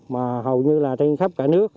mà hầu như là trên khắp cả nước